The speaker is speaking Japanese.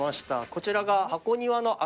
こちらが。